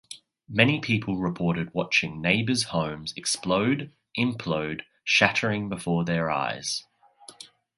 Many people reported watching neighbors' homes explode, implode, shattering before their eyes.